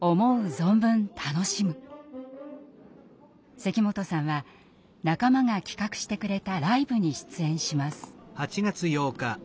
関本さんは仲間が企画してくれたライブに出演します。